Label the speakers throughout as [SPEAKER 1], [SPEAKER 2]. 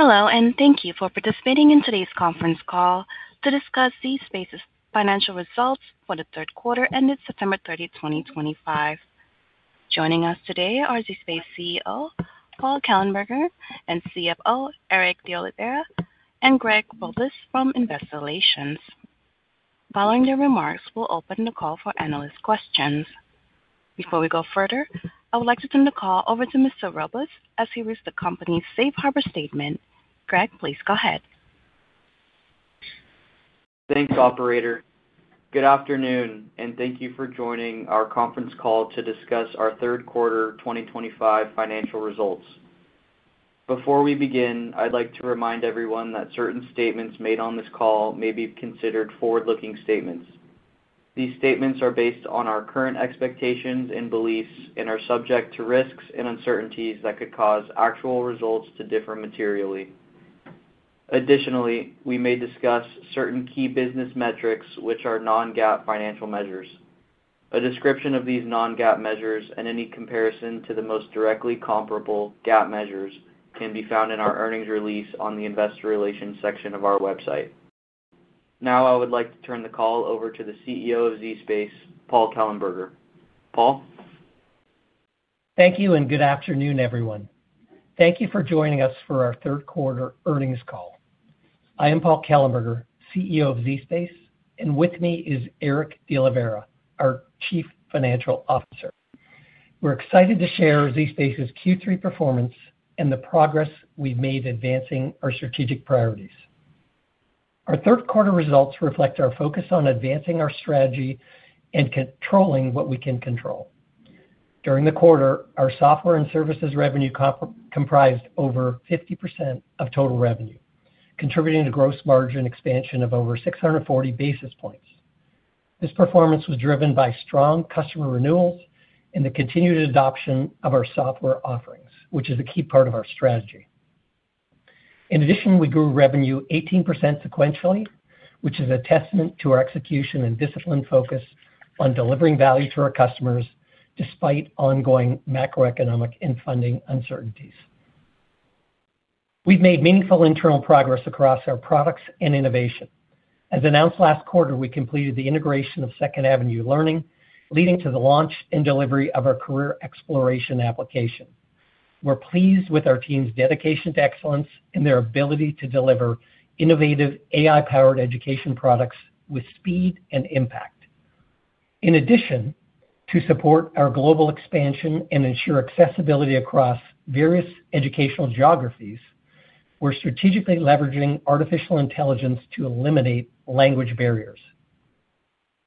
[SPEAKER 1] Hello, and thank you for participating in today's conference call to discuss zSpace's financial results for the third quarter ended September 30, 2025. Joining us today are zSpace CEO Paul Kellenberger, and CFO Erick DepOliveira, and Greg Robles from Investor Relations. Following their remarks, we'll open the call for analyst questions. Before we go further, I would like to turn the call over to Mr. Robles as he reads the company's Safe Harbor Statement. Greg, please go ahead.
[SPEAKER 2] Thanks, Operator. Good afternoon, and thank you for joining our conference call to discuss our third quarter 2025 financial results. Before we begin, I'd like to remind everyone that certain statements made on this call may be considered forward-looking statements. These statements are based on our current expectations and beliefs and are subject to risks and uncertainties that could cause actual results to differ materially. Additionally, we may discuss certain key business metrics, which are non-GAAP financial measures. A description of these non-GAAP measures and any comparison to the most directly comparable GAAP measures can be found in our earnings release on the Investor Relations section of our website. Now, I would like to turn the call over to the CEO of zSpace, Paul Kellenberger. Paul?
[SPEAKER 3] Thank you, and good afternoon, everyone. Thank you for joining us for our third quarter earnings call. I am Paul Kellenberger, CEO of zSpace, and with me is Erick DeOliveira, our Chief Financial Officer. We're excited to share zSpace's Q3 performance and the progress we've made advancing our strategic priorities. Our third quarter results reflect our focus on advancing our strategy and controlling what we can control. During the quarter, our software and services revenue comprised over 50% of total revenue, contributing to gross margin expansion of over 640 basis points. This performance was driven by strong customer renewals and the continued adoption of our software offerings, which is a key part of our strategy. In addition, we grew revenue 18% sequentially, which is a testament to our execution and disciplined focus on delivering value to our customers despite ongoing macroeconomic and funding uncertainties. We've made meaningful internal progress across our products and innovation. As announced last quarter, we completed the integration of Second Avenue Learning, leading to the launch and delivery of our career exploration application. We're pleased with our team's dedication to excellence and their ability to deliver innovative AI-powered education products with speed and impact. In addition, to support our global expansion and ensure accessibility across various educational geographies, we're strategically leveraging AI to eliminate language barriers.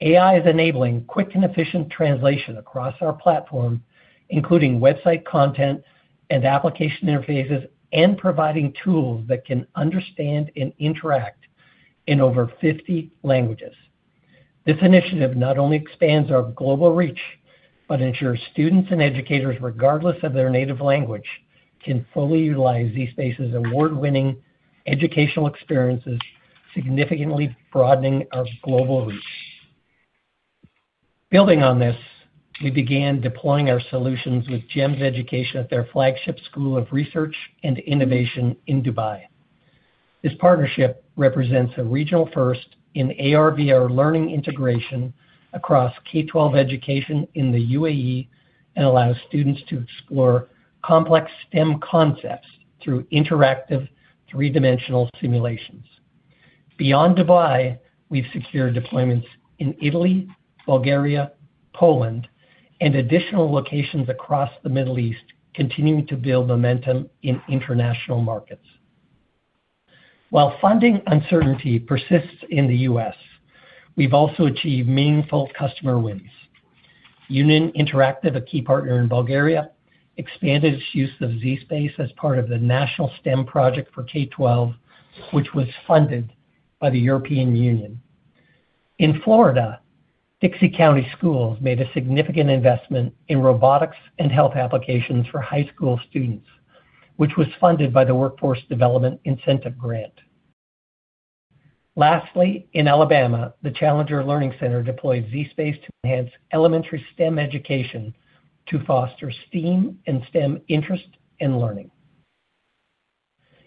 [SPEAKER 3] AI is enabling quick and efficient translation across our platform, including website content and application interfaces, and providing tools that can understand and interact in over 50 languages. This initiative not only expands our global reach, but ensures students and educators, regardless of their native language, can fully utilize zSpace's award-winning educational experiences, significantly broadening our global reach. Building on this, we began deploying our solutions with GEMS Education at their flagship school of research and innovation in Dubai. This partnership represents a regional first in AR/VR learning integration across K-12 education in the UAE and allows students to explore complex STEM concepts through interactive three-dimensional simulations. Beyond Dubai, we've secured deployments in Italy, Bulgaria, Poland, and additional locations across the Middle East, continuing to build momentum in international markets. While funding uncertainty persists in the U.S., we've also achieved meaningful customer wins. Union Interactive, a key partner in Bulgaria, expanded its use of zSpace as part of the national STEM project for K-12, which was funded by the European Union. In Florida, Dixie County Schools made a significant investment in robotics and health applications for high school students, which was funded by the Workforce Development Incentive Grant. Lastly, in Alabama, the Challenger Learning Center deployed zSpace to enhance elementary STEM education to foster STEAM and STEM interest and learning.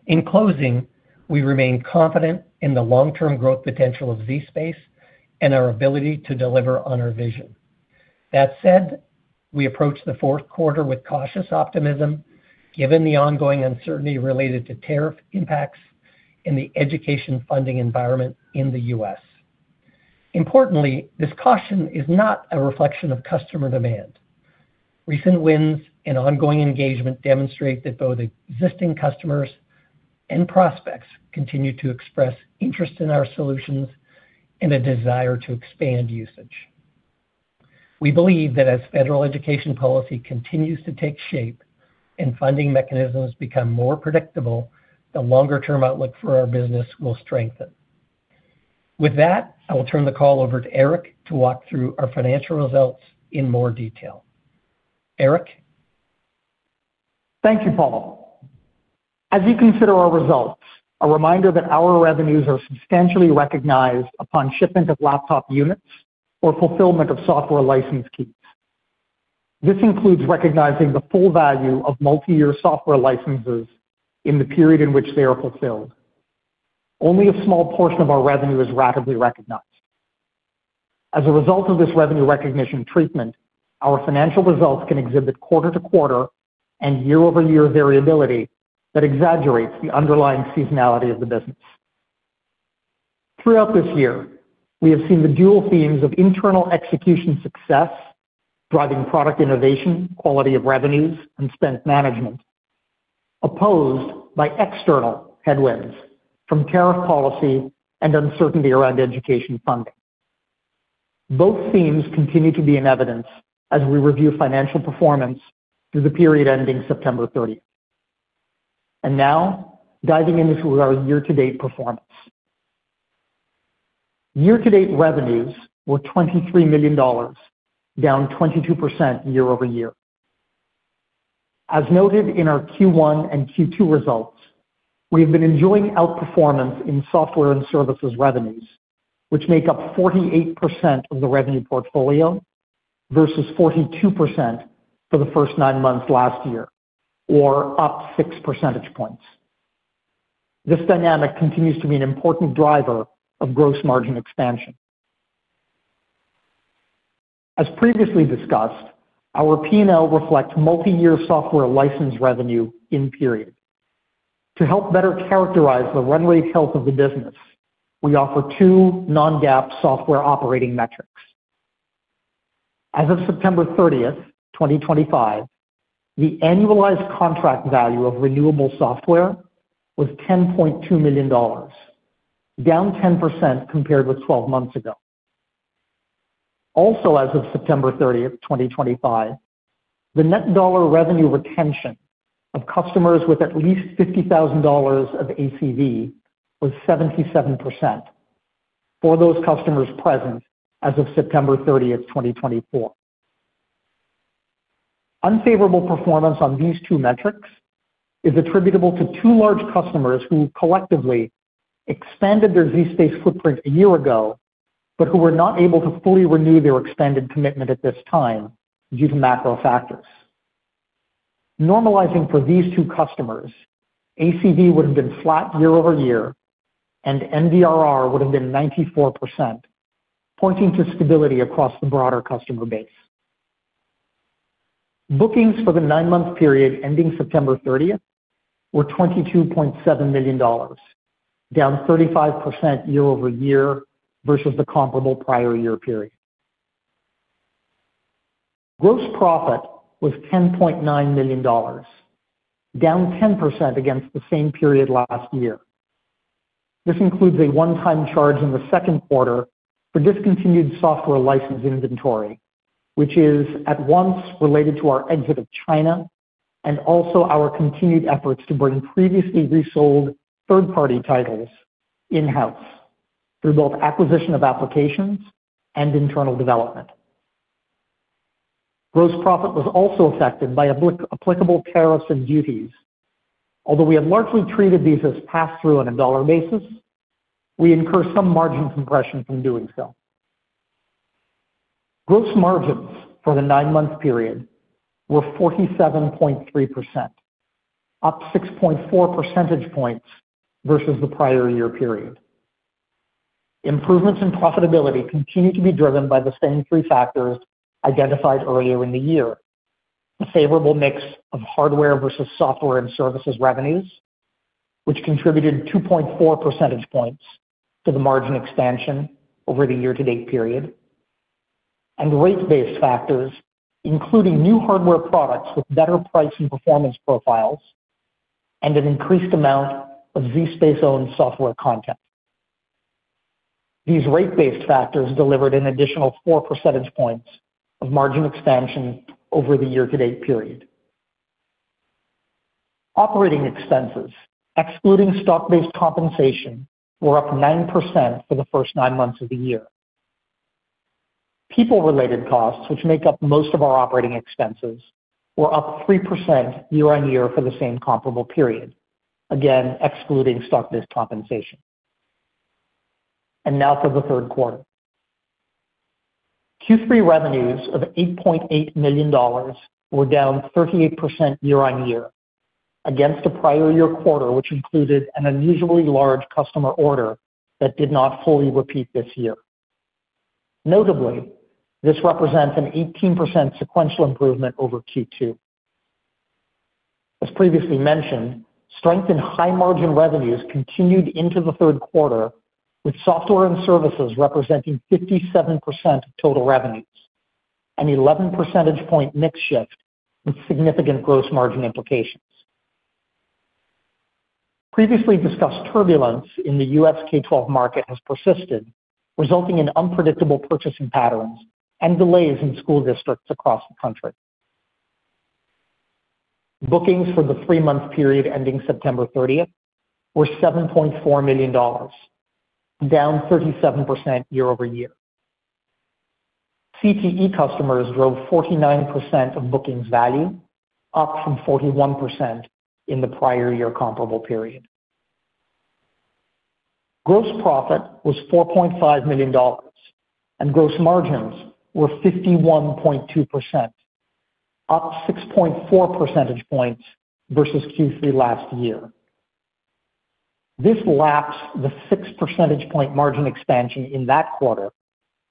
[SPEAKER 3] In closing, we remain confident in the long-term growth potential of zSpace and our ability to deliver on our vision. That said, we approach the fourth quarter with cautious optimism, given the ongoing uncertainty related to tariff impacts and the education funding environment in the U.S. Importantly, this caution is not a reflection of customer demand. Recent wins and ongoing engagement demonstrate that both existing customers and prospects continue to express interest in our solutions and a desire to expand usage. We believe that as federal education policy continues to take shape and funding mechanisms become more predictable, the longer-term outlook for our business will strengthen. With that, I will turn the call over to Erick to walk through our financial results in more detail. Erick?
[SPEAKER 4] Thank you, Paul. As you consider our results, a reminder that our revenues are substantially recognized upon shipment of laptop units or fulfillment of software license keys. This includes recognizing the full value of multi-year software licenses in the period in which they are fulfilled. Only a small portion of our revenue is rapidly recognized. As a result of this revenue recognition treatment, our financial results can exhibit quarter-to-quarter and year-over-year variability that exaggerates the underlying seasonality of the business. Throughout this year, we have seen the dual themes of internal execution success, driving product innovation, quality of revenues, and spend management, opposed by external headwinds from tariff policy and uncertainty around education funding. Both themes continue to be in evidence as we review financial performance through the period ending September 30. Now, diving into our year-to-date performance. Year-to-date revenues were $23 million, down 22% year-over-year. As noted in our Q1 and Q2 results, we have been enjoying outperformance in software and services revenues, which make up 48% of the revenue portfolio versus 42% for the first nine months last year, or up 6 percentage points. This dynamic continues to be an important driver of gross margin expansion. As previously discussed, our P&L reflects multi-year software license revenue in period. To help better characterize the runway health of the business, we offer two non-GAAP software operating metrics. As of September 30, 2025, the annualized contract value of renewable software was $10.2 million, down 10% compared with 12 months ago. Also, as of September 30, 2025, the net dollar revenue retention of customers with at least $50,000 of ACV was 77% for those customers present as of September 30, 2024. Unfavorable performance on these two metrics is attributable to two large customers who collectively expanded their zSpace footprint a year ago but who were not able to fully renew their expanded commitment at this time due to macro factors. Normalizing for these two customers, ACV would have been flat year-over-year, and NDRR would have been 94%, pointing to stability across the broader customer base. Bookings for the nine-month period ending September 30 were $22.7 million, down 35% year-over-year versus the comparable prior year period. Gross profit was $10.9 million, down 10% against the same period last year. This includes a one-time charge in the second quarter for discontinued software license inventory, which is at once related to our exit of China and also our continued efforts to bring previously resold third-party titles in-house through both acquisition of applications and internal development. Gross profit was also affected by applicable tariffs and duties. Although we have largely treated these as pass-through on a dollar basis, we incur some margin compression from doing so. Gross margins for the nine-month period were 47.3%, up 6.4 percentage points versus the prior year period. Improvements in profitability continue to be driven by the same three factors identified earlier in the year: a favorable mix of hardware versus software and services revenues, which contributed 2.4 percentage points to the margin expansion over the year-to-date period, and rate-based factors, including new hardware products with better price and performance profiles, and an increased amount of zSpace-owned software content. These rate-based factors delivered an additional 4 percentage points of margin expansion over the year-to-date period. Operating expenses, excluding stock-based compensation, were up 9% for the first nine months of the year. People-related costs, which make up most of our operating expenses, were up 3% year-on-year for the same comparable period, again excluding stock-based compensation. For the third quarter, Q3 revenues of $8.8 million were down 38% year-on-year against a prior year quarter which included an unusually large customer order that did not fully repeat this year. Notably, this represents an 18% sequential improvement over Q2. As previously mentioned, strength in high-margin revenues continued into the third quarter, with software and services representing 57% of total revenues, an 11 percentage point mix shift with significant gross margin implications. Previously discussed turbulence in the U.S. K-12 market has persisted, resulting in unpredictable purchasing patterns and delays in school districts across the country. Bookings for the three-month period ending September 30 were $7.4 million, down 37% year-over-year. CTE customers drove 49% of bookings value, up from 41% in the prior year comparable period. Gross profit was $4.5 million, and gross margins were 51.2%, up 6.4 percentage points versus Q3 last year. This lapsed the 6 percentage point margin expansion in that quarter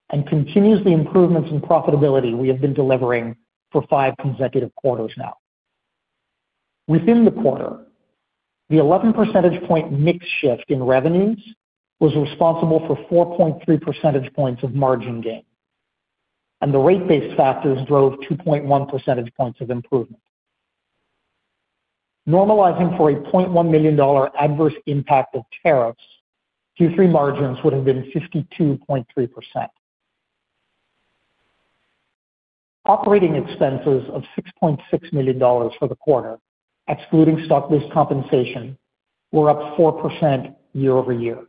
[SPEAKER 4] and continues the improvements in profitability we have been delivering for five consecutive quarters now. Within the quarter, the 11 percentage point mix shift in revenues was responsible for 4.3 percentage points of margin gain, and the rate-based factors drove 2.1 percentage points of improvement. Normalizing for a $0.1 million adverse impact of tariffs, Q3 margins would have been 52.3%. Operating expenses of $6.6 million for the quarter, excluding stock-based compensation, were up 4% year-over-year.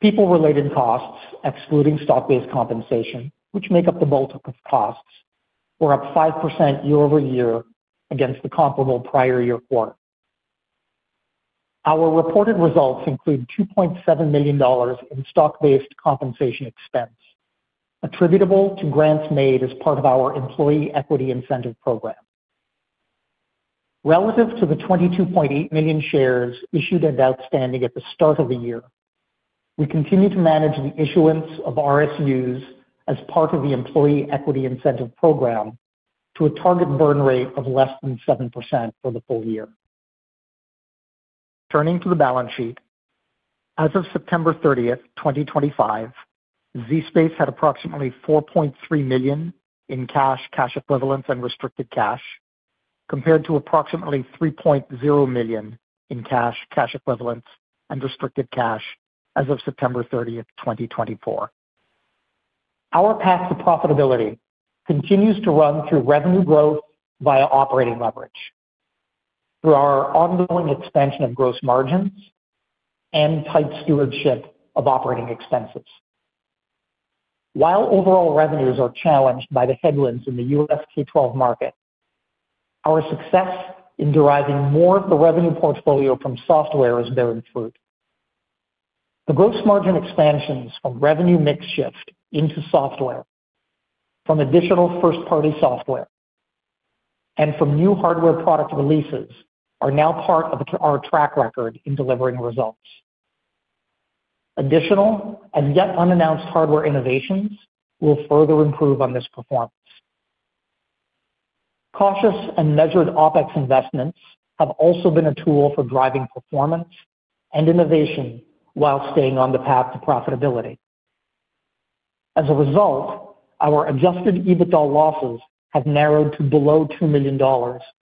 [SPEAKER 4] People-related costs, excluding stock-based compensation, which make up the bulk of costs, were up 5% year-over-year against the comparable prior year quarter. Our reported results include $2.7 million in stock-based compensation expense, attributable to grants made as part of our Employee Equity Incentive Program. Relative to the 22.8 million shares issued and outstanding at the start of the year, we continue to manage the issuance of RSUs as part of the Employee Equity Incentive Program to a target burn rate of less than 7% for the full year. Turning to the balance sheet, as of September 30, 2025, zSpace had approximately $4.3 million in cash, cash equivalents, and restricted cash, compared to approximately $3.0 million in cash, cash equivalents, and restricted cash as of September 30, 2024. Our path to profitability continues to run through revenue growth via operating leverage, through our ongoing expansion of gross margins, and tight stewardship of operating expenses. While overall revenues are challenged by the headwinds in the U.S. K-12 market, our success in deriving more of the revenue portfolio from software is bearing fruit. The gross margin expansions from revenue mix shift into software, from additional first-party software, and from new hardware product releases are now part of our track record in delivering results. Additional and yet unannounced hardware innovations will further improve on this performance. Cautious and measured OPEX investments have also been a tool for driving performance and innovation while staying on the path to profitability. As a result, our adjusted EBITDA losses have narrowed to below $2 million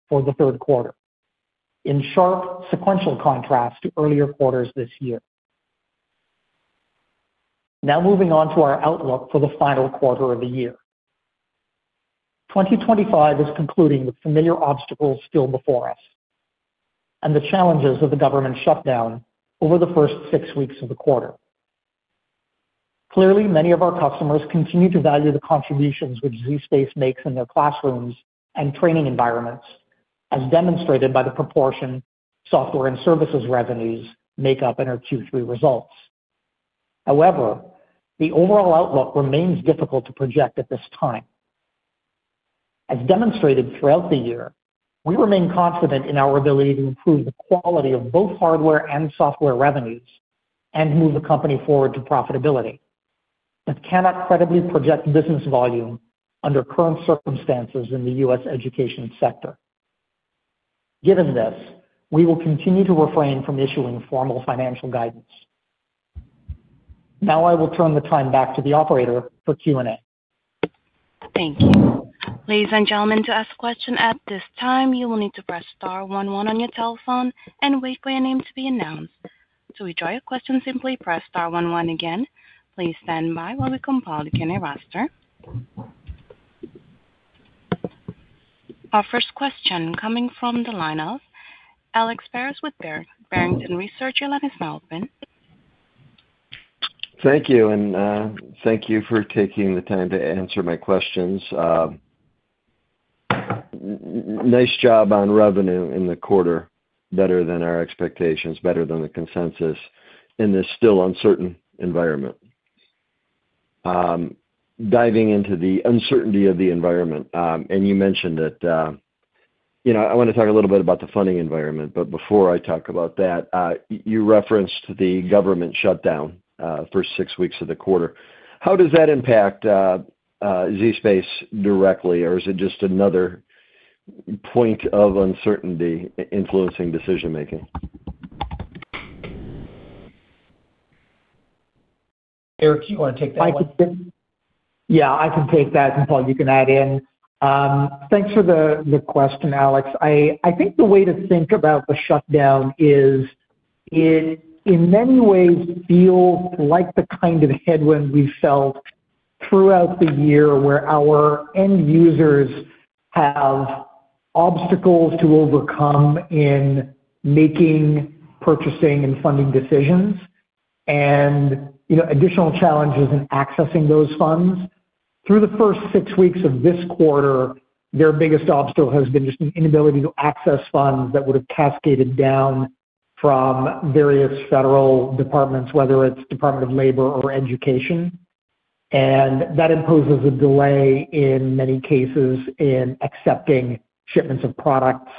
[SPEAKER 4] for the third quarter, in sharp sequential contrast to earlier quarters this year. Now moving on to our outlook for the final quarter of the year. 2025 is concluding with familiar obstacles still before us and the challenges of the government shutdown over the first six weeks of the quarter. Clearly, many of our customers continue to value the contributions which zSpace makes in their classrooms and training environments, as demonstrated by the proportion software and services revenues make up in our Q3 results. However, the overall outlook remains difficult to project at this time. As demonstrated throughout the year, we remain confident in our ability to improve the quality of both hardware and software revenues and move the company forward to profitability, but cannot credibly project business volume under current circumstances in the U.S. education sector. Given this, we will continue to refrain from issuing formal financial guidance. Now I will turn the time back to the operator for Q&A.
[SPEAKER 1] Thank you. Ladies and gentlemen, to ask a question at this time, you will need to press star 11 on your telephone and wait for your name to be announced. To withdraw your question simply press star 11 again. Please stand by while we compile the Kellenberger roster. Our first question coming from the line of Alex Paris, with Barrington Research. You will have his mic open.
[SPEAKER 5] Thank you, and thank you for taking the time to answer my questions. Nice job on revenue in the quarter, better than our expectations, better than the consensus in this still uncertain environment. Diving into the uncertainty of the environment, and you mentioned that I want to talk a little bit about the funding environment, but before I talk about that, you referenced the government shutdown for six weeks of the quarter. How does that impact zSpace directly, or is it just another point of uncertainty influencing decision-making?
[SPEAKER 3] Erick, you want to take that one?
[SPEAKER 4] Yeah, I can take that, and Paul, you can add in. Thanks for the question, Alex. I think the way to think about the shutdown is it in many ways feels like the kind of headwind we've felt throughout the year where our end users have obstacles to overcome in making purchasing and funding decisions and additional challenges in accessing those funds. Through the first six weeks of this quarter, their biggest obstacle has been just an inability to access funds that would have cascaded down from various federal departments, whether it's Department of Labor or Education. That imposes a delay in many cases in accepting shipments of products,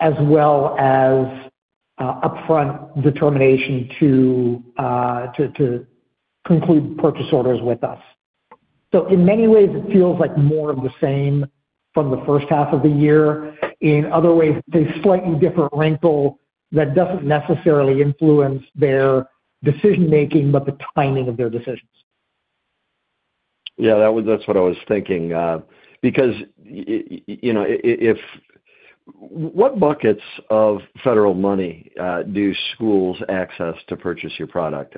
[SPEAKER 4] as well as upfront determination to conclude purchase orders with us. In many ways, it feels like more of the same from the first half of the year. In other ways, it's a slightly different wrinkle that doesn't necessarily influence their decision-making, but the timing of their decisions.
[SPEAKER 5] Yeah, that's what I was thinking. Because what buckets of federal money do schools access to purchase your product,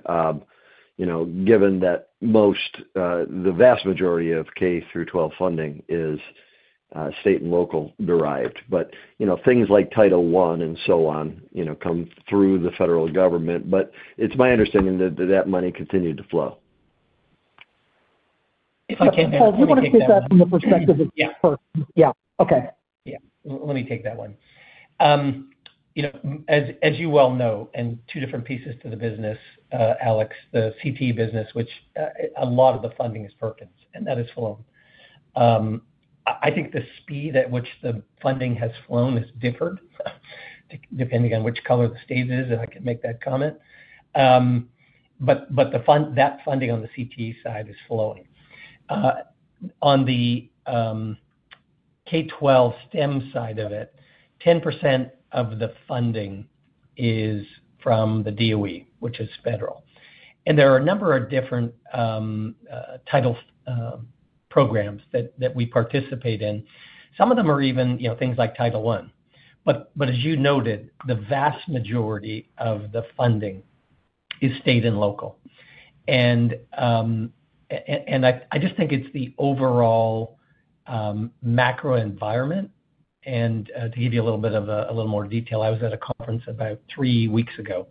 [SPEAKER 5] given that most, the vast majority of K-12 funding is state and local derived, but things like Title I and so on come through the federal government. It's my understanding that that money continued to flow?
[SPEAKER 4] If I can't hear you. Paul, do you want to take that from the perspective of Perkins?
[SPEAKER 3] Yeah. Okay. Yeah. Let me take that one. As you well know, and two different pieces to the business, Alex, the CTE business, which a lot of the funding is Perkins, and that has flown. I think the speed at which the funding has flown has differed, depending on which color the stage is, and I can make that comment. That funding on the CTE side is flowing. On the K-12 STEM side of it, 10% of the funding is from the DOE, which is federal. There are a number of different Title programs that we participate in. Some of them are even things like Title I. As you noted, the vast majority of the funding is state and local. I just think it's the overall macro environment. To give you a little bit of a little more detail, I was at a conference about three weeks ago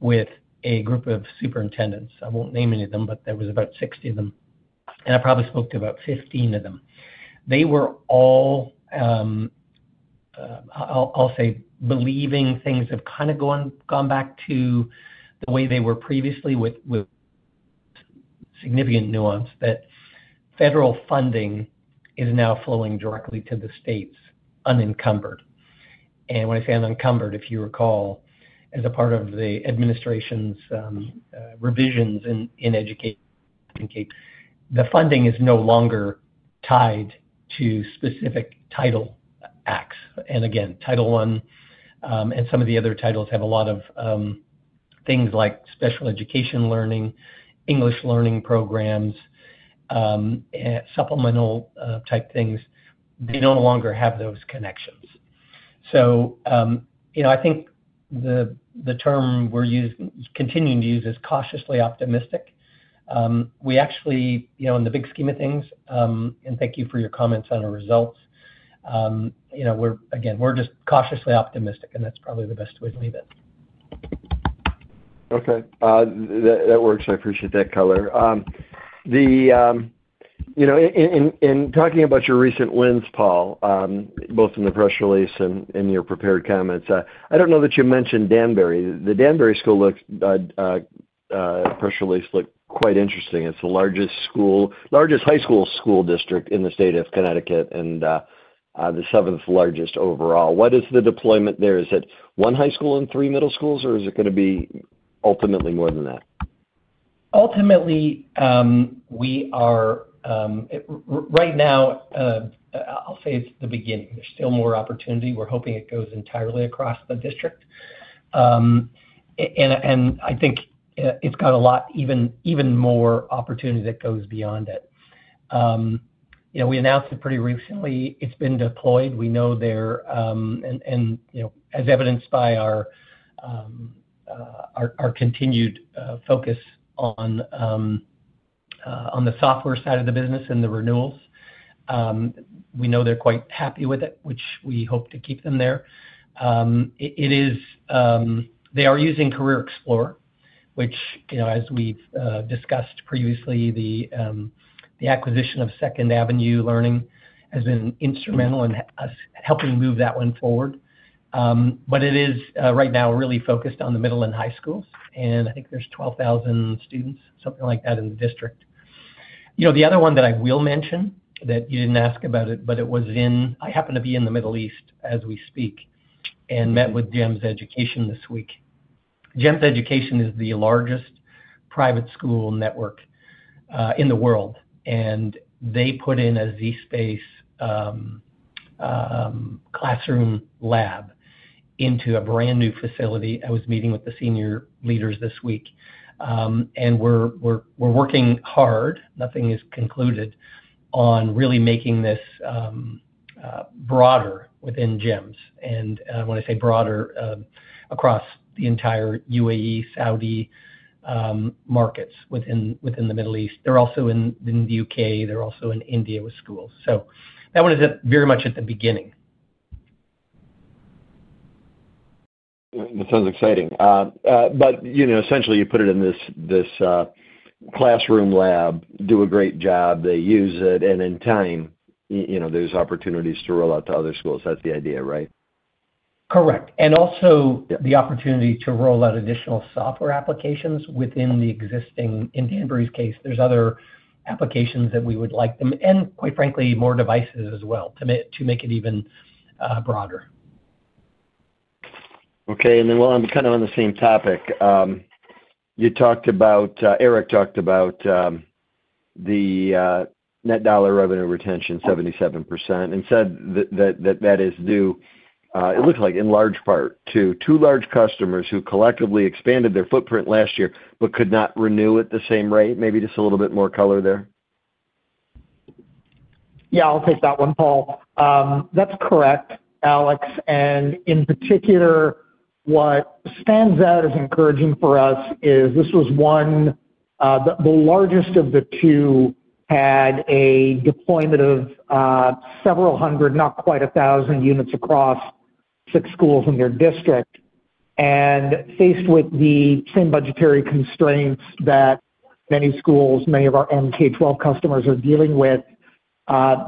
[SPEAKER 3] with a group of superintendents. I will not name any of them, but there was about 60 of them. I probably spoke to about 15 of them. They were all, I will say, believing things have kind of gone back to the way they were previously, with significant nuance, that federal funding is now flowing directly to the states unencumbered. When I say unencumbered, if you recall, as a part of the administration's revisions in education, the funding is no longer tied to specific Title acts. Title I and some of the other titles have a lot of things like special education learning, English learning programs, supplemental-type things. They no longer have those connections. I think the term we are continuing to use is cautiously optimistic. We actually, in the big scheme of things, and thank you for your comments on our results. Again, we're just cautiously optimistic, and that's probably the best way to leave it.
[SPEAKER 5] Okay. That works. I appreciate that color. In talking about your recent wins, Paul, both in the press release and your prepared comments, I do not know that you mentioned Danbury. The Danbury School press release looked quite interesting. It is the largest high school school district in the state of Connecticut and the seventh largest overall. What is the deployment there? Is it one high school and three middle schools, or is it going to be ultimately more than that?
[SPEAKER 3] Ultimately, we are right now, I'll say it's the beginning. There's still more opportunity. We're hoping it goes entirely across the district. I think it's got a lot even more opportunity that goes beyond it. We announced it pretty recently. It's been deployed. We know they're, and as evidenced by our continued focus on the software side of the business and the renewals, we know they're quite happy with it, which we hope to keep them there. They are using Career Explorer, which, as we've discussed previously, the acquisition of Second Avenue Learning has been instrumental in helping move that one forward. It is right now really focused on the middle and high schools. I think there's 12,000 students, something like that, in the district. The other one that I will mention that you didn't ask about, but it was in, I happen to be in the Middle East as we speak and met with GEMS Education this week. GEMS Education is the largest private school network in the world. They put in a zSpace classroom lab into a brand new facility. I was meeting with the senior leaders this week. We're working hard, nothing is concluded on really making this broader within GEMS. When I say broader, across the entire U.A.E., Saudi markets within the Middle East. They're also in the U.K. They're also in India with schools. That one is very much at the beginning.
[SPEAKER 6] That sounds exciting. Essentially, you put it in this classroom lab, do a great job, they use it, and in time, there's opportunities to roll out to other schools. That's the idea, right?
[SPEAKER 3] Correct. Also the opportunity to roll out additional software applications within the existing, in Danbury's case, there's other applications that we would like them, and quite frankly, more devices as well, to make it even broader.
[SPEAKER 6] Okay. And then we'll have kind of on the same topic. You talked about Erick talked about the net dollar revenue retention, 77%, and said that that is due, it looks like in large part, to two large customers who collectively expanded their footprint last year but could not renew at the same rate. Maybe just a little bit more color there?
[SPEAKER 4] Yeah, I'll take that one, Paul. That's correct, Alex. In particular, what stands out as encouraging for us is this was one of the largest of the two, had a deployment of several hundred, not quite a thousand units across six schools in their district. Faced with the same budgetary constraints that many schools, many of our MK-12 customers are dealing with,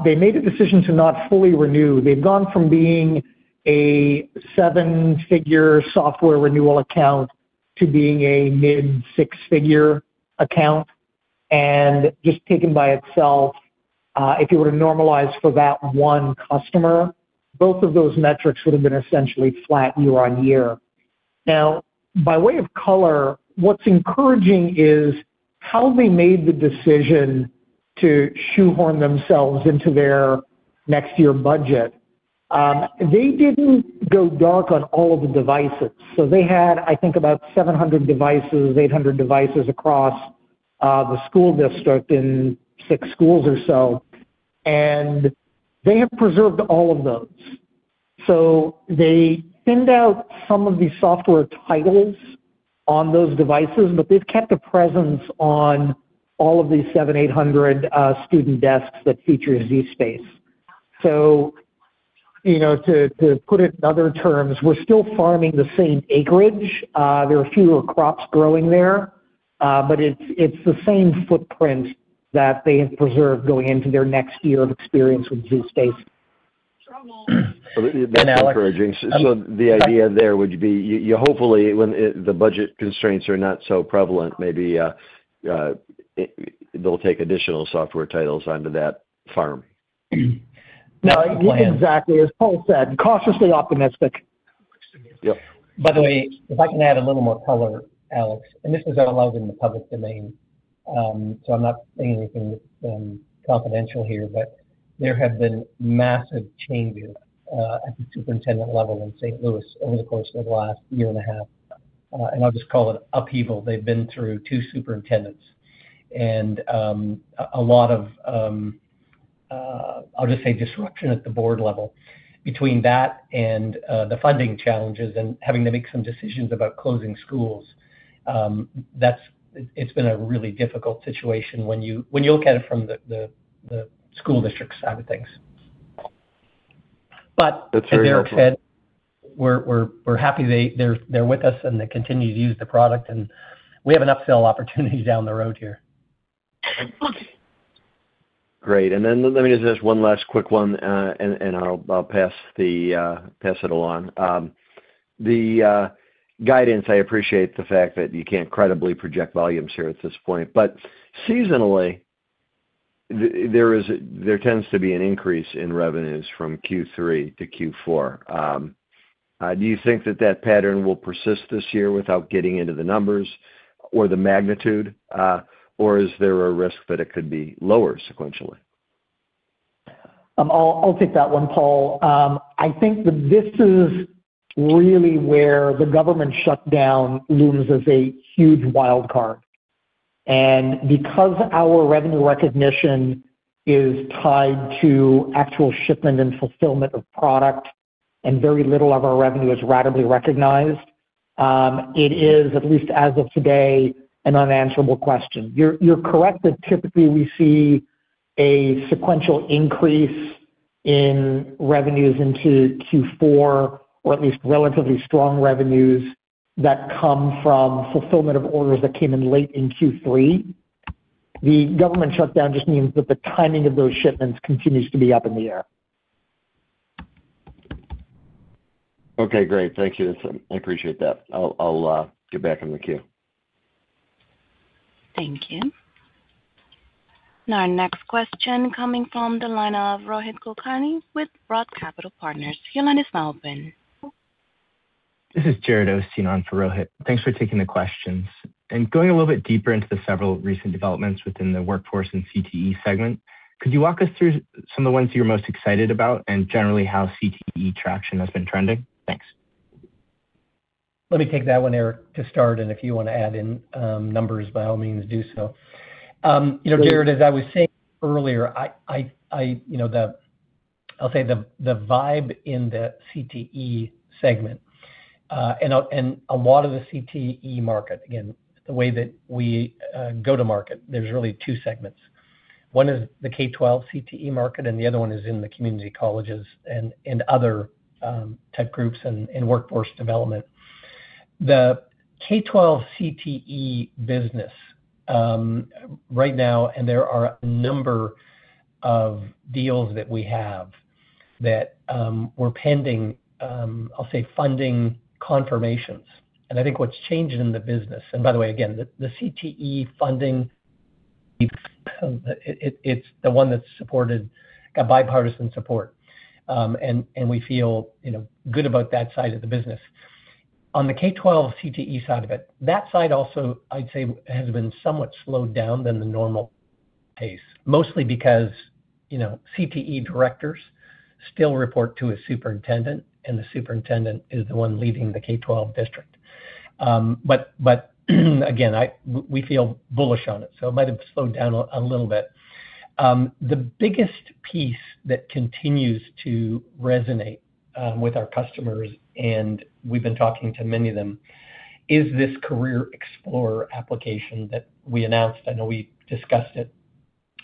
[SPEAKER 4] they made a decision to not fully renew. They've gone from being a seven-figure software renewal account to being a mid-six-figure account. Just taken by itself, if you were to normalize for that one customer, both of those metrics would have been essentially flat year on year. Now, by way of color, what's encouraging is how they made the decision to shoehorn themselves into their next year budget. They didn't go dark on all of the devices. They had, I think, about 700 devices, 800 devices across the school district in six schools or so. They have preserved all of those. They thinned out some of the software titles on those devices, but they have kept a presence on all of the 7,800 student desks that feature zSpace. To put it in other terms, we are still farming the same acreage. There are fewer crops growing there, but it is the same footprint that they have preserved going into their next year of experience with zSpace.
[SPEAKER 6] That's encouraging. The idea there would be hopefully when the budget constraints are not so prevalent, maybe they'll take additional software titles onto that farm.
[SPEAKER 4] No, exactly. As Paul said, cautiously optimistic.
[SPEAKER 6] Yep.
[SPEAKER 3] By the way, if I can add a little more color, Alex, and this is allowed in the public domain, so I'm not saying anything confidential here, there have been massive changes at the superintendent level in St. Louis over the course of the last year and a half. I'll just call it upheaval. They've been through two superintendents. A lot of, I'll just say, disruption at the board level between that and the funding challenges and having to make some decisions about closing schools. It's been a really difficult situation when you look at it from the school district side of things. As Erick said, we're happy they're with us and they continue to use the product. We have an upsell opportunity down the road here.
[SPEAKER 6] Great. Let me just ask one last quick one, and I'll pass it along. The guidance, I appreciate the fact that you can't credibly project volumes here at this point. Seasonally, there tends to be an increase in revenues from Q3 to Q4. Do you think that that pattern will persist this year without getting into the numbers or the magnitude, or is there a risk that it could be lower sequentially?
[SPEAKER 4] I'll take that one, Paul. I think that this is really where the government shutdown looms as a huge wild card. Because our revenue recognition is tied to actual shipment and fulfillment of product and very little of our revenue is radically recognized, it is, at least as of today, an unanswerable question. You're correct that typically we see a sequential increase in revenues into Q4, or at least relatively strong revenues that come from fulfillment of orders that came in late in Q3. The government shutdown just means that the timing of those shipments continues to be up in the air.
[SPEAKER 6] Okay. Great. Thank you. I appreciate that. I'll get back on the queue.
[SPEAKER 1] Thank you. Now, our next question coming from the line of Rohit Kulkarni with Broad Capital Partners. Your line is now open.
[SPEAKER 7] This is Jared Osteen on for Rohit. Thanks for taking the questions. Going a little bit deeper into the several recent developments within the workforce and CTE segment, could you walk us through some of the ones you're most excited about and generally how CTE traction has been trending? Thanks.
[SPEAKER 3] Let me take that one, Erick, to start. If you want to add in numbers, by all means, do so. Jared, as I was saying earlier, I'll say the vibe in the CTE segment and a lot of the CTE market, again, the way that we go to market, there's really two segments. One is the K-12 CTE market, and the other one is in the community colleges and other tech groups and workforce development. The K-12 CTE business right now, and there are a number of deals that we have that are pending, I'll say, funding confirmations. I think what's changed in the business, and by the way, again, the CTE funding, it's the one that's supported, got bipartisan support. We feel good about that side of the business. On the K-12 CTE side of it, that side also, I'd say, has been somewhat slowed down than the normal pace, mostly because CTE directors still report to a superintendent, and the superintendent is the one leading the K-12 district. Again, we feel bullish on it, so it might have slowed down a little bit. The biggest piece that continues to resonate with our customers, and we've been talking to many of them, is this Career Explorer application that we announced. I know we discussed it,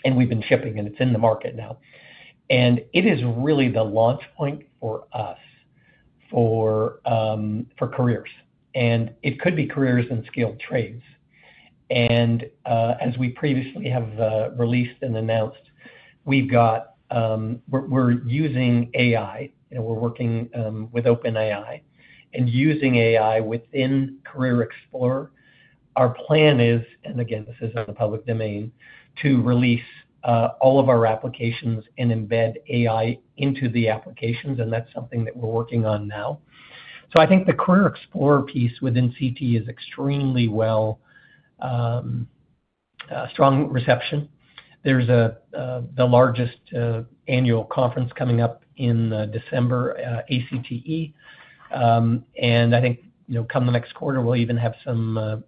[SPEAKER 3] and we've been shipping, and it's in the market now. It is really the launch point for us for careers. It could be careers and skilled trades. As we previously have released and announced, we're using AI. We're working with OpenAI and using AI within Career Explorer. Our plan is, and again, this is in the public domain, to release all of our applications and embed AI into the applications. That's something that we're working on now. I think the Career Explorer piece within CTE is extremely well strong reception. There's the largest annual conference coming up in December, ACTE. I think come the next quarter, we'll even have some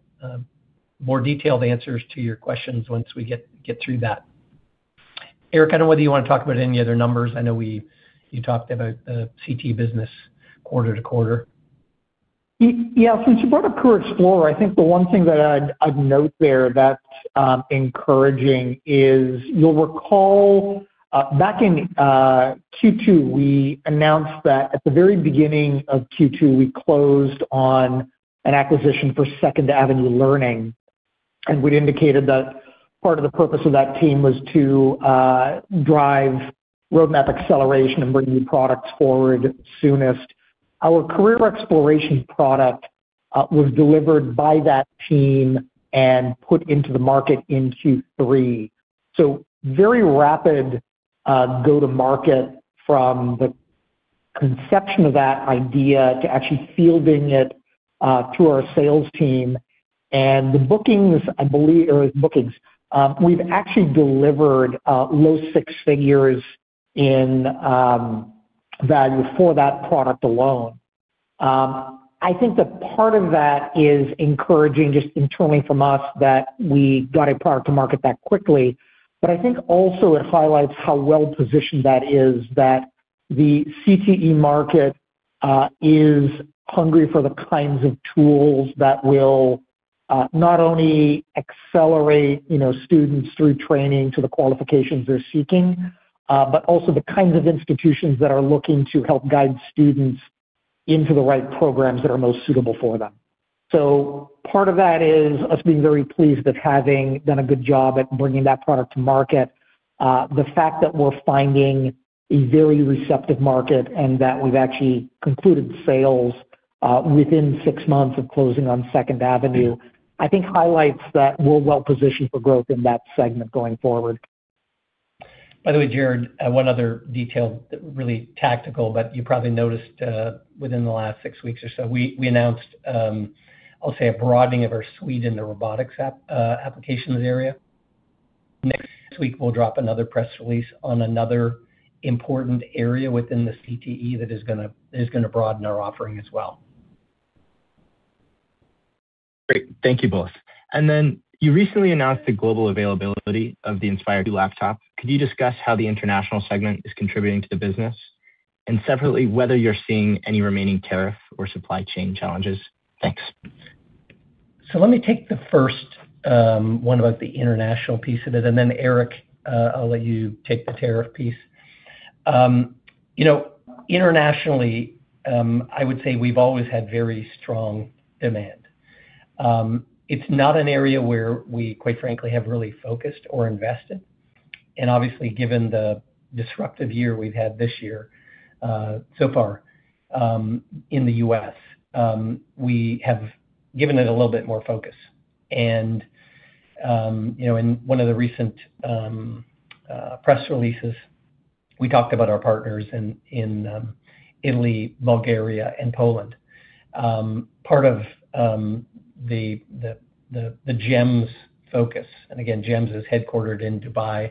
[SPEAKER 3] more detailed answers to your questions once we get through that. Erick, I don't know whether you want to talk about any other numbers. I know you talked about the CTE business quarter to quarter.
[SPEAKER 4] Yeah. Since you brought up Career Explorer, I think the one thing that I'd note there that's encouraging is you'll recall back in Q2, we announced that at the very beginning of Q2, we closed on an acquisition for Second Avenue Learning. And we'd indicated that part of the purpose of that team was to drive roadmap acceleration and bring new products forward soonest. Our Career Explorer product was delivered by that team and put into the market in Q3. Very rapid go-to-market from the conception of that idea to actually fielding it to our sales team. The bookings, I believe, or the bookings, we've actually delivered low six figures in value for that product alone. I think that part of that is encouraging just internally from us that we got a product to market that quickly. I think also it highlights how well-positioned that is, that the CTE market is hungry for the kinds of tools that will not only accelerate students through training to the qualifications they're seeking, but also the kinds of institutions that are looking to help guide students into the right programs that are most suitable for them. Part of that is us being very pleased with having done a good job at bringing that product to market. The fact that we're finding a very receptive market and that we've actually concluded sales within six months of closing on Second Avenue, I think highlights that we're well-positioned for growth in that segment going forward.
[SPEAKER 3] By the way, Jared, one other detail that is really tactical, but you probably noticed within the last six weeks or so, we announced, I'll say, a broadening of our suite in the robotics applications area. Next week, we'll drop another press release on another important area within the CTE that is going to broaden our offering as well.
[SPEAKER 7] Great. Thank you both. You recently announced the global availability of the Inspire 2 laptop. Could you discuss how the international segment is contributing to the business? Separately, whether you're seeing any remaining tariff or supply chain challenges? Thanks.
[SPEAKER 3] Let me take the first one about the international piece of it. Then, Erick, I'll let you take the tariff piece. Internationally, I would say we've always had very strong demand. It's not an area where we, quite frankly, have really focused or invested. Obviously, given the disruptive year we've had this year so far in the U.S., we have given it a little bit more focus. In one of the recent press releases, we talked about our partners in Italy, Bulgaria, and Poland. Part of the GEMS focus, and again, GEMS is headquartered in Dubai,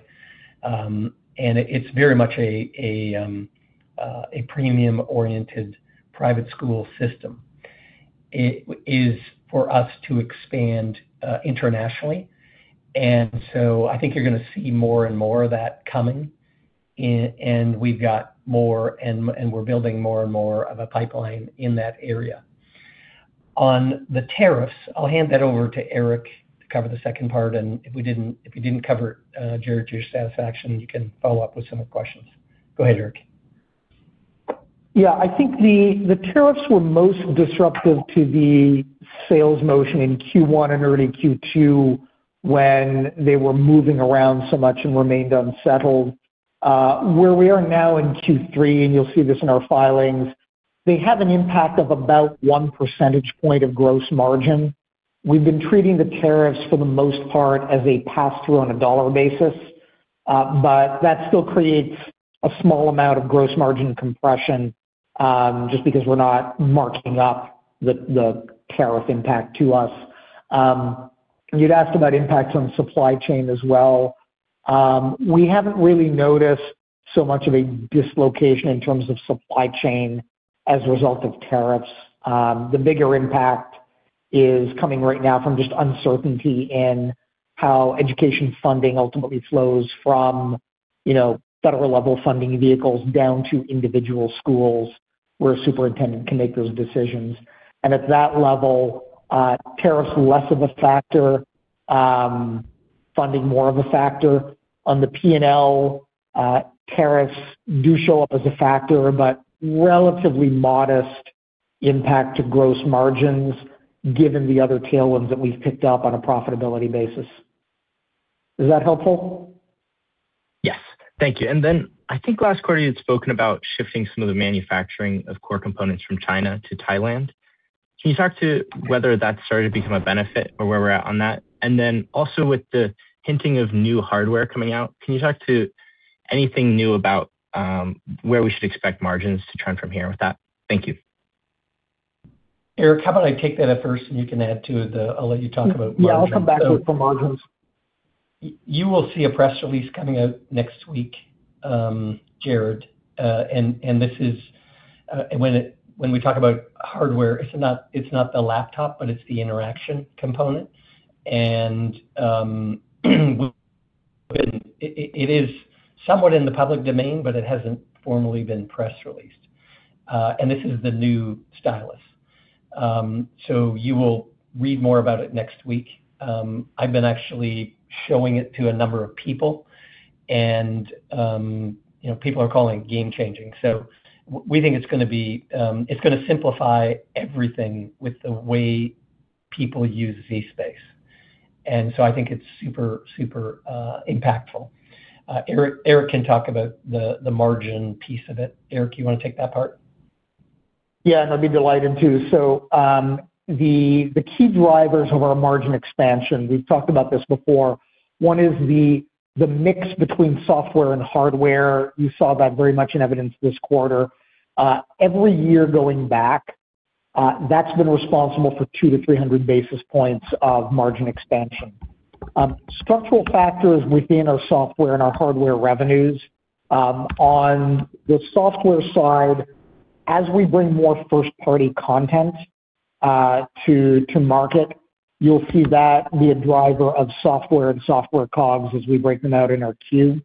[SPEAKER 3] and it's very much a premium-oriented private school system, is for us to expand internationally. I think you're going to see more and more of that coming. We've got more, and we're building more and more of a pipeline in that area. On the tariffs, I'll hand that over to Erick to cover the second part. If we didn't cover it, Jared, to your satisfaction, you can follow up with some questions. Go ahead, Erick.
[SPEAKER 4] Yeah. I think the tariffs were most disruptive to the sales motion in Q1 and early Q2 when they were moving around so much and remained unsettled. Where we are now in Q3, and you'll see this in our filings, they have an impact of about one percentage point of gross margin. We've been treating the tariffs for the most part as a pass-through on a dollar basis. That still creates a small amount of gross margin compression just because we're not marking up the tariff impact to us. You'd asked about impacts on supply chain as well. We haven't really noticed so much of a dislocation in terms of supply chain as a result of tariffs. The bigger impact is coming right now from just uncertainty in how education funding ultimately flows from federal-level funding vehicles down to individual schools where a superintendent can make those decisions. At that level, tariffs are less of a factor, funding more of a factor. On the P&L, tariffs do show up as a factor, but relatively modest impact to gross margins given the other tailwinds that we've picked up on a profitability basis. Is that helpful?
[SPEAKER 7] Yes. Thank you. I think last quarter, you'd spoken about shifting some of the manufacturing of core components from China to Thailand. Can you talk to whether that's starting to become a benefit or where we're at on that? Also, with the hinting of new hardware coming out, can you talk to anything new about where we should expect margins to trend from here with that? Thank you.
[SPEAKER 3] Erick, how about I take that at first, and you can add to it. I'll let you talk about margins.
[SPEAKER 4] Yeah. I'll come back to it for margins.
[SPEAKER 3] You will see a press release coming out next week, Jared. This is when we talk about hardware, it's not the laptop, but it's the interaction component. It is somewhat in the public domain, but it hasn't formally been press released. This is the new stylus. You will read more about it next week. I've been actually showing it to a number of people, and people are calling it game-changing. We think it's going to simplify everything with the way people use zSpace. I think it's super, super impactful. Erick can talk about the margin piece of it. Erick, you want to take that part?
[SPEAKER 4] Yeah. I'd be delighted to. The key drivers of our margin expansion, we've talked about this before. One is the mix between software and hardware. You saw that very much in evidence this quarter. Every year going back, that's been responsible for 200-300 basis points of margin expansion. Structural factors within our software and our hardware revenues. On the software side, as we bring more first-party content to market, you'll see that be a driver of software and software COGS as we break them out in our queue.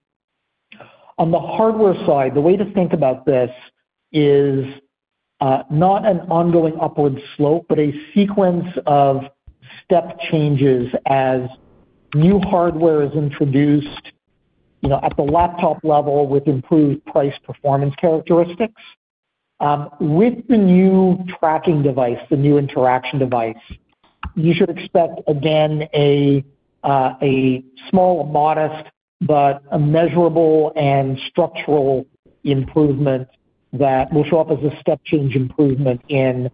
[SPEAKER 4] On the hardware side, the way to think about this is not an ongoing upward slope, but a sequence of step changes as new hardware is introduced at the laptop level with improved price performance characteristics. With the new tracking device, the new interaction device, you should expect, again, a small, modest, but measurable, and structural improvement that will show up as a step-change improvement in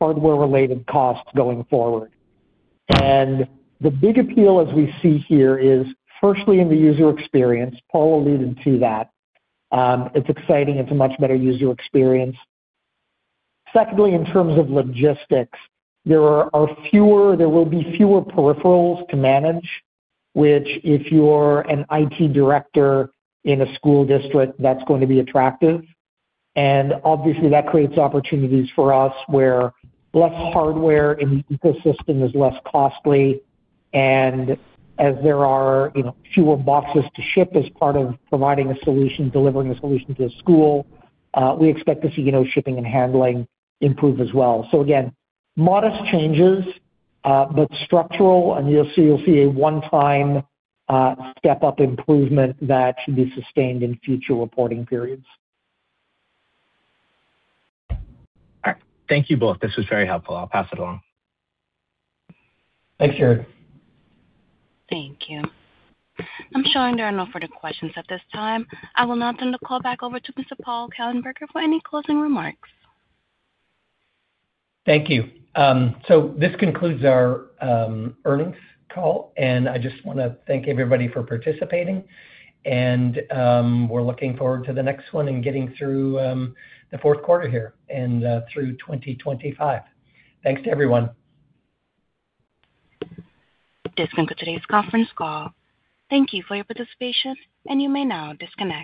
[SPEAKER 4] hardware-related costs going forward. The big appeal, as we see here, is firstly in the user experience. Paul alluded to that. It's exciting. It's a much better user experience. Secondly, in terms of logistics, there will be fewer peripherals to manage, which, if you're an IT director in a school district, that's going to be attractive. Obviously, that creates opportunities for us where less hardware in the ecosystem is less costly. As there are fewer boxes to ship as part of providing a solution, delivering a solution to a school, we expect to see shipping and handling improve as well. Again, modest changes, but structural. You will see a one-time step-up improvement that should be sustained in future reporting periods.
[SPEAKER 7] All right. Thank you both. This was very helpful. I'll pass it along.
[SPEAKER 3] Thanks, Jared.
[SPEAKER 1] Thank you. I'm showing there are no further questions at this time. I will now turn the call back over to Mr. Paul Kellenberger for any closing remarks.
[SPEAKER 3] Thank you. This concludes our earnings call. I just want to thank everybody for participating. We are looking forward to the next one and getting through the fourth quarter here and through 2025. Thanks to everyone.
[SPEAKER 1] This concludes today's conference call. Thank you for your participation, and you may now disconnect.